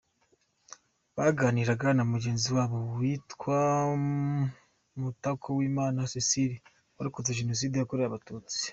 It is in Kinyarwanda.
baganiraga na mugenzi wabo witwa Mutakowimana Cecile warokotse Jenoside yakorewe abatutsi